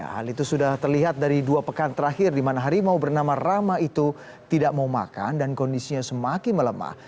hal itu sudah terlihat dari dua pekan terakhir di mana harimau bernama rama itu tidak mau makan dan kondisinya semakin melemah